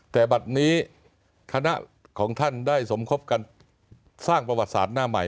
แต่บัตรนี้คณะของท่านได้สมคบกันสร้างประวัติศาสตร์หน้าใหม่